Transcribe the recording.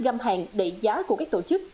găm hàng đẩy giá của các tổ chức